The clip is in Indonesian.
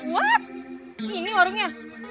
what ini warungnya